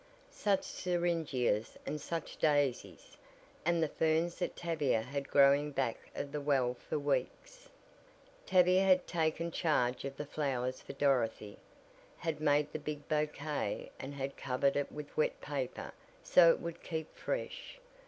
Such syringias and such daisies! And the ferns that Tavia had growing back of the well for weeks! Tavia had taken charge of the flowers for Dorothy, had made the big bouquet and had covered it with wet paper so it would keep fresh.